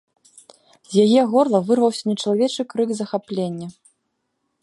З яе горла вырваўся нечалавечы крык захаплення.